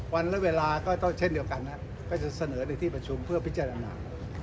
วันและเวลาก็เช่นเดียวกันก็จะเสนอในที่ประชุมเพื่อพิจารณา